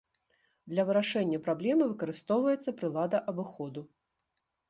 Для вырашэння праблемы выкарыстоўваецца прылада абыходу.